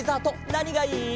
なにがいい？